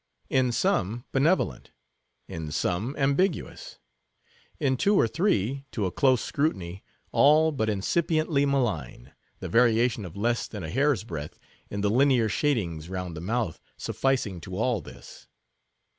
In some, benevolent; in some, ambiguous; in two or three, to a close scrutiny, all but incipiently malign, the variation of less than a hair's breadth in the linear shadings round the mouth sufficing to all this.